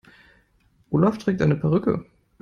Olaf trägt eine Perücke.